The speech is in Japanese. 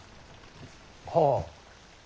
はあ。